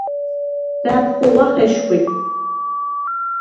და̈ბ ხუღუ̂ახ ეშხუ̂ი.